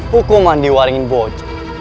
hukuman di waringin boja